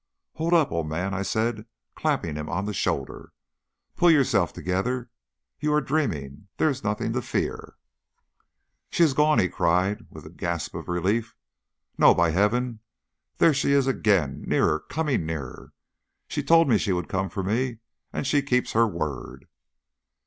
"Hold up, old man," I said, clapping him on the shoulder. "Pull yourself together; you are dreaming; there is nothing to fear." "She is gone!" he cried, with a gasp of relief. "No, by heaven! there she is again, and nearer coming nearer. She told me she would come for me, and she keeps her word."